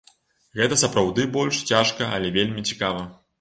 Гэта сапраўды больш цяжка, але вельмі цікава.